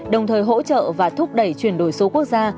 đồng thời hỗ trợ và thúc đẩy chuyển đổi số quốc gia